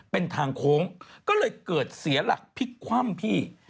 เป็นทางโค้งก็เลยเกิดเสียหลักพลิกคว่ำพี่